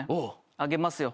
あげますよ。